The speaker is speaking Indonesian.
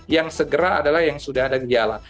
yang segera adalah yang sudah ada gejala